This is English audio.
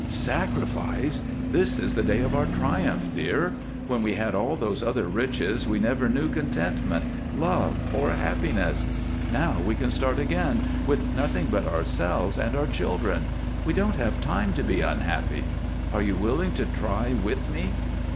"Sacrifice? This is the day of our triumph, dear. When we had all those other riches we never knew contentment, love, or happiness. Now we can start again, with nothing but ourselves and our children. We won't have time to be unhappy. Are you willing to try with me?"